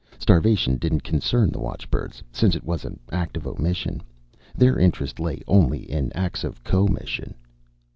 Starvation didn't concern the watchbirds, since it was an act of omission. Their interest lay only in acts of commission.